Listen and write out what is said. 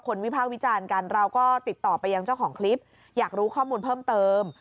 วิภาควิจารณ์กันเราก็ติดต่อไปยังเจ้าของคลิปอยากรู้ข้อมูลเพิ่มเติม